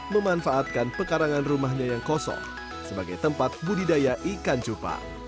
memanfaatkan pekarangan rumahnya yang kosong sebagai tempat budidaya ikan cupang